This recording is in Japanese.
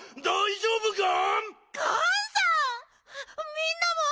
みんなも！